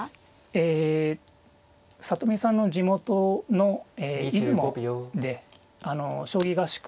え里見さんの地元の出雲で将棋合宿